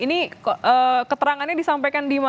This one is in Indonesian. ini keterangannya disampaikan di mana